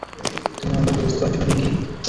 তুমি আমার কথা বুঝতে পারছ না, পিঙ্কি।